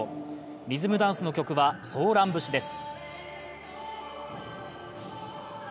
リズムダンスの曲は「ソーラン節」です。